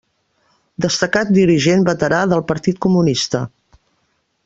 Destacat dirigent veterà del partit comunista.